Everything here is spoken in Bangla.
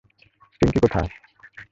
পিঙ্কি, কোথায়?